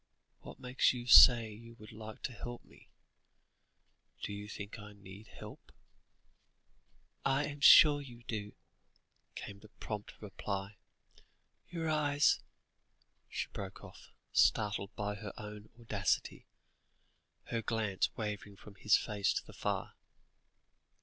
What makes you say you would like to help me? Do you think I need help?" "I am sure you do," came the prompt reply; "your eyes " she broke off, startled by her own audacity, her glance wavering from his face to the fire.